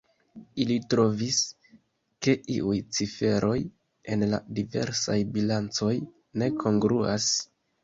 Ili trovis, ke iuj ciferoj en la diversaj bilancoj ne kongruas.